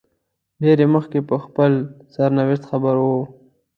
ډېر مخکې په خپل سرنوشت خبر وو.